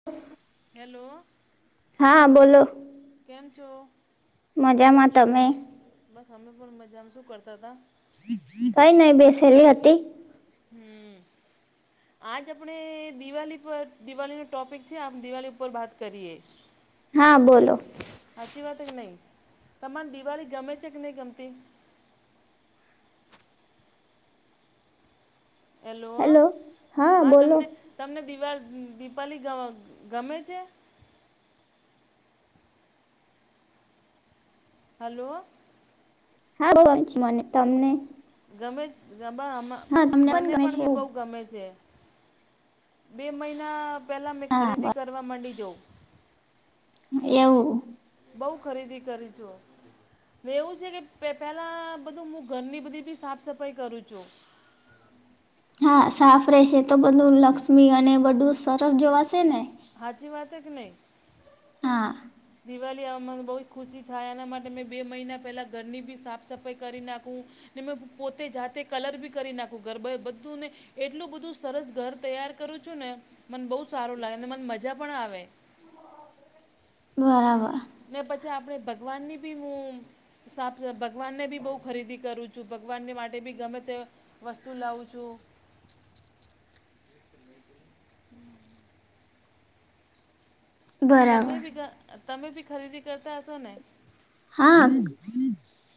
[inaudible] Hello. હા, બોલો. કેમ છો? મજામાં તમે? બસ અમે પણ મજામાં. શું કરતા હતા? કઈ નઈ બેસેલી હતી. હમ્મ. આજ આપણે દિવાળી પર દિવાળીનો ટોપિક છે, આમ દિવાળી ઉપર વાત કરીએ. [inaudible] હા બોલો. સાચી વાત કે નહીં તમાર દીવાળી ગમે છે કે નહીં ગમતી? હેલો, હા તમને તમને દિવાળી ગમે છે? હલો. હા, બો ગમેં મને તમને? ગમે, હા તમને મને ગમે છે પણ એવું બહુ ગમે છે. બે મહિના પેલા મેં હા બ ખરીદી કરવા માંટે જાઉં. એવું. બહુ ખરીદી કરી છું. એવું છે કે પહેલાં બધું હું ઘરની બધી બી સાફ સફાઈ કરું છું. હા, સાફ રહેશે તો બધું લક્ષ્મી અને બધું સરસ જોવાશે ને. સાચી વાત કે નહી? હા. દિવાળી આ મને બહુ જ ખુશી થાય એના માટે મેં બે મહિના પહેલાં ઘરની બી સાફ સફાઈ કરી નાખું. ને મે પોતે જાતે કલર બી કરી નાખું ગરબા એ બધું ને એટલું બધું સરસ ઘર તૈયાર કરું છું ને મને બહુ સારું લાગે ને મને મજા પણ આવે. બરાબર. ને પછી આપણે ભગવાન ની બી હું સાફ ભગવાનને બી બહુ ખરીદી કરું છું ભગવાનને માટે બી ગમે તે વસ્તુ લાવુ છું. બરાબર તમને બી તમે બી ખરીદી કરતા હશો ને? હા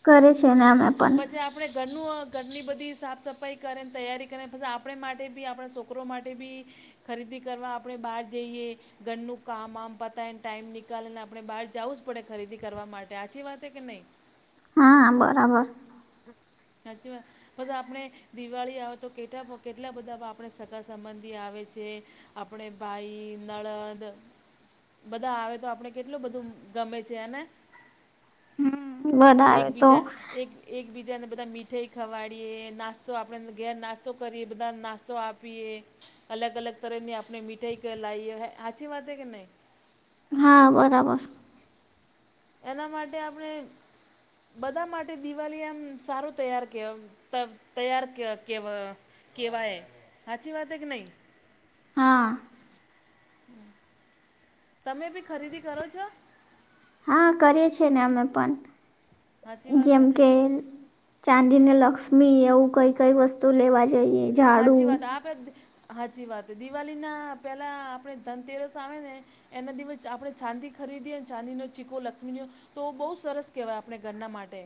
કરી છી ને અમે પણ. પછી આપણે ઘરનું ઘરની બધી સાફ સફાઈ કરે ને તૈયારી કરે પછી આપણે માટે બી આપણે સો કો માટે બી ખરીદી કરવા આપણે બહાર જઈએ. ઘરનું કામ આમ પતાયને ટાઈમ નિકાળી ને આપણે બહાર જવું જ પડે ખરીદી કરવા માટે હાચી વાત હે કે નહીં? હા બરાબર. સાચી વાત. પછી આપણે દિવાળી આવે તો [inaudible] કેટલા બધા આપણે સગા સંબંધી આવે છે. આપણે ભાઈ નણંદ બધા આવે તો આપણે કેટલું બધું ગમે છે હેને? હમ બધા આવે તો એકબીજા એક એકબીજાને બધા મીઠાઈ ખવાડીએ નાસ્તો આપણે ઘેર નાસ્તો કરીએ બધા નાસ્તો આપીએ. અલગ અલગ તરહ ની આપણે મીઠાઈ [inaudible] લાઇએ હાચી વાત હ કે નહી? હા બરાબર. એના માટે આપણે બધા માટે દિવાળી આમ સારું તૈયાર કે [inaudible] ત તૈયાર કે કેવ કેવાય હાચી વાત હ કે નહી? હા. તમે બી ખરીદી કરો છો? હા કરી છી ને અમે પણ સાચી વાત જેમ છે. કે ચાંદીને લક્ષ્મી એવું કઈ કઈ વસ્તુ લેવા જઈએ. ઝાડુ હાચી વાત આપે હાચી વાત દિવાળીના પેલા આપણે ધનતેરસ આવે ને એના ધીમે આપણે ચાંદી ખરીદીએ ચાંદીનો ચીકો લક્ષ્મીનો તો બહુ સરસ કહેવાય આપણે ઘરના માટે.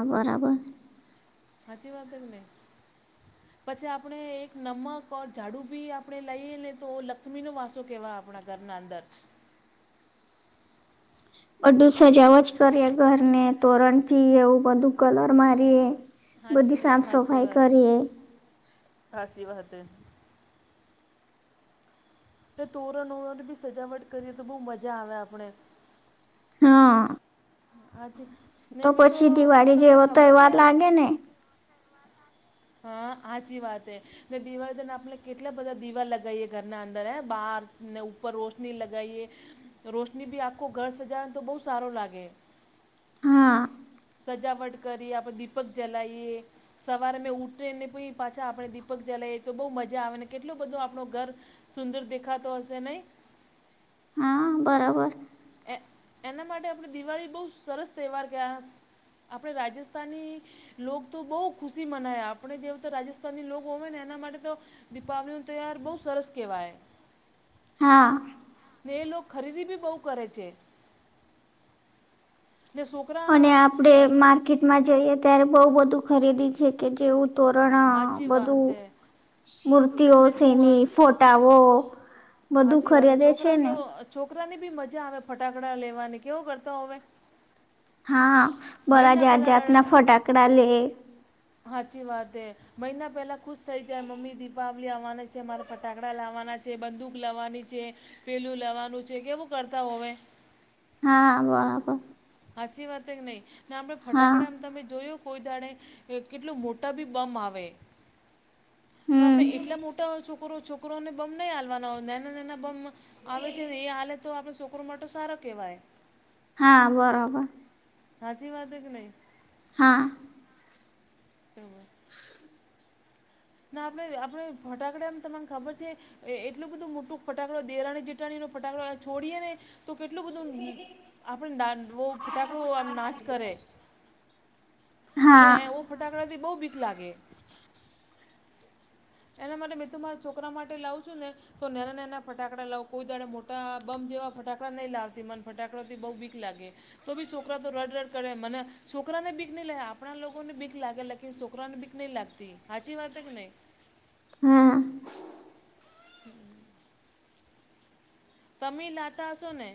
હા બરાબર હાચી વાત હે કે નહીં? પછી આપણે એક નમક ઓર ઝાડુ બી આપણે લઈએ ને તો લક્ષ્મી નો વાસો કેવા આપણા ઘર નાં અંદર બધું સજાવા જ કરીએ ઘરને તોરણ થી એવું બધું કલર મારીએ બધી હાચી સાફ હાચી સફાઈ વાત કરીએ હાચી વાત છે તે તોરણો બોરણ બી સજાવટ કરીએ તો બહુ મજા આવે આપણે હા. હા જી ને તો મિત્રો પછી દિવાળી તમને જેવો ખબર છે? તહેવાર લાગે ને હા હાચી વાત હે. ને દીવાડી આપણે કેટલા બધા દીવા લગાવીએ ઘરના અંદર હે બાર ને ઉપર રોશની લગાવીએ. રોશની બી આખું ઘર સજાવે ને તો બહુ સારો લાગે. હા સજાવટ કરીએ આપણે દીપક જલાઈએ. સવારે મેં ઉઠીને પઇ પાછા આપણે દીપક જલાઈએ તો બહુ મજા આવે ને કેટલો બધો આપણો ઘર સુંદર દેખાતો હશે નઈ? હા બરાબર. એ એના માટે આપણે દિવાળી બહુ સરસ તહેવાર [inaudible] આપણે રાજસ્તાની લોક તો બહુ ખુશી મનાય આપણે જેવુ તો રાજસ્થાની લો હોય ને એના માટે તો દીપાવલી નો તહેવાર બહુ સરસ કહેવાય હા ને એ લો ખરીદી બી બહુ કરે છે. ને છોકરા માં જઈએ ત્યારે બઉુ બધું ખરીદી છે કે જેવું તોરણ સાચી બધું વાત હે. મૂર્તિઓ ને છો સેની ફોટાઓ બધું સાચી વાત ખરેદે છે ને છોકરા ની બી મજા આવે ફટાકડા લેવાની કેવો કરતા હોવે હા બરા મહિના જા જાતના પહેલાં ફટાકડા લે સાચી વાત મહિના પહેલા ખુશ થઈ જાય મમ્મી દીપાવલીી આવવાની છે મારે ફટાકડા લાવવાના છે બંદૂક લાવવાની છે પેલું લાવવાનું છે કેવું કરતા હોવે હા હા બોરાબર હાચી વાતે કે નઈ ના આપણે હા ફટાકડ તમે જોયો કોઈ દાડે કેટલુ મોટા બી બમ આવે તો હમ આપણે એટલા મોટા હોય છોકરો છોકરોને બમ નહીં હાલવાના હોય નાના નાના બમ આવે છે ને એ હાલે તો આપણે છોકરો માટે સારો કેવાય હા બરોબર સાચી વાત હે કે નહી? હા. તો વા હમ ના આપણેે આપડ ફટાકડામ તમન ખબર છે એ એટલું બધું મોટું ફટાકડુ દેરાની જેટાણી નો ફટાકો છોડીએે ને તો કેટલું બધું આપણે દાહ ફટાકડો આમ નાચ કરે. હા. તો ફટાકડાથી બહુ બીક લાગે. એના માટે મે તો મારા છોકરા માટે લાઉ છું ને તો નેના નેના ફટાકડા લાવ કોઈ દાડા મોટા બમ જેવા ફટાકડા નહીં લાવતી, મને ફટાકડાથી બઉ બીક લાગે. તો બી છોકરા તો રડ રડ કરે મને છોકરાને બીક ની લે આપણા લોકોને બીક લાગે લા ગે કે સોકરાને ભીક નહી લાગતી. હાચી વાત હે કે નઈ? હમ્મ. હમ્મ. કમે એ લાતા હસોને?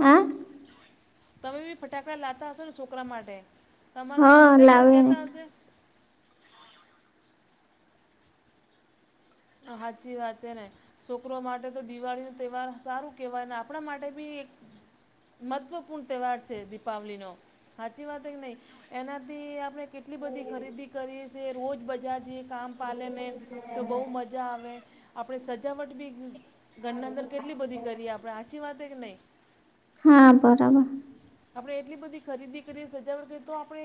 હા? તમે બી ફટાકડા લાતા હશો ને છોકરા માટે? તમારા હા છોકરા નઈ કઈ લાવે ને કેતા હશે? હાચી વાત હે ને? છોકરો માટે તો દિવાળી નો તેહવાર સારું કેહેવાય આપણા માટે બી એક મહત્વપૂર્ણ તેહવાર છે દિપાવલીનો, હાચી વાત હે કે નઈ? એનાથી આપણે કેટલી બધી ખરીદી કરીએ છે રોજ બજાર જઈ કામ પાલેને તો બહુ મજા. આવે આપણે સજાવટ બી ઘરના અંદર કેટલી બધી કરીએ આપણે. હાચી વાત હે કે ની? હા બરાબર. આપડણે એટલી બધી ખરીદી કરીએ, સજાવટ કરીએ તો આપણે